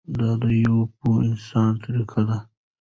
دا د یوه پوه انسان طریقه ده.